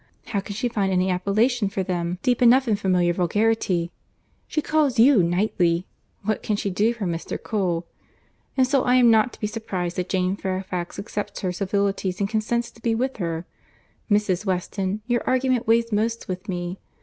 How can she find any appellation for them, deep enough in familiar vulgarity? She calls you, Knightley—what can she do for Mr. Cole? And so I am not to be surprized that Jane Fairfax accepts her civilities and consents to be with her. Mrs. Weston, your argument weighs most with me.